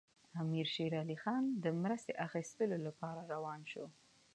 امیر شېر علي خان د مرستې اخیستلو لپاره روان شو.